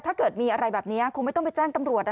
ถ้าเกิดมีอะไรแบบนี้คงไม่ต้องไปแจ้งตำรวจ